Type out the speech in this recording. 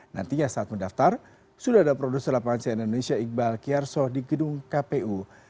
nantinya saat mendaftar sudah ada produser lapangan cnn indonesia iqbal kiyarso di gedung kpu